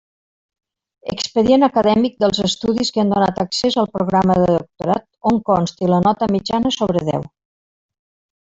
Expedient acadèmic dels estudis que han donat accés al programa de doctorat on consti la nota mitjana sobre deu.